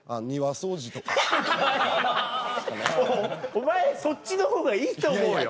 お前そっちのほうがいいと思うよ。